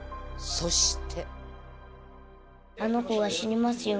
そして。